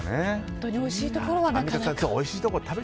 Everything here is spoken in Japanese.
本当においしいところはなかなか。